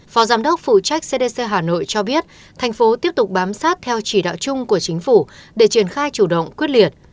phó giám đốc phụ trách cdc hà nội cho biết thành phố tiếp tục bám sát theo chỉ đạo chung của chính phủ để triển khai chủ động quyết liệt